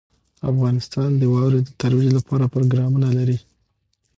افغانستان د واوره د ترویج لپاره پروګرامونه لري.